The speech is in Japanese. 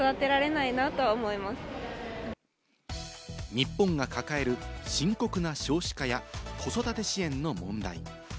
日本が抱える深刻な少子化や子育て支援の問題。